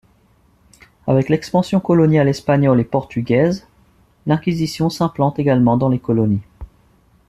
Avec l'expansion coloniale espagnole et portugaise, l'Inquisition s'implante également dans les colonies.